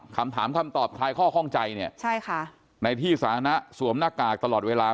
คำถามคำตอบคลายข้อข้องใจเนี่ยใช่ค่ะในที่สาธารณะสวมหน้ากากตลอดเวลา